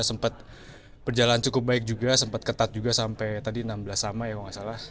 sempat berjalan cukup baik juga sempat ketat juga sampai tadi enam belas sama ya kalau nggak salah